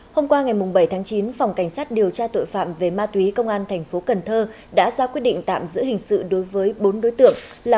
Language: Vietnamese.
hôm qua ngày bảy tháng chín phòng cảnh sát điều tra tội phạm về ma túy công an tp cn đã ra quyết định tạm giữ hình sự đối với bốn đối tượng là